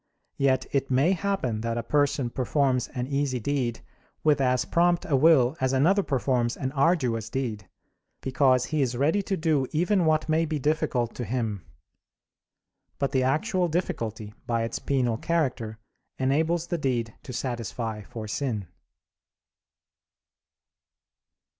Yet it may happen that a person performs an easy deed with as prompt a will as another performs an arduous deed; because he is ready to do even what may be difficult to him. But the actual difficulty, by its penal character, enables the deed to satisfy for sin.